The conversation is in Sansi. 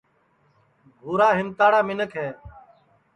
بُھورا ہیمتاڑا منکھ تیا